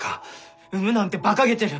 産むなんてばかげてる。